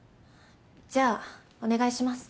じゃあお願いします。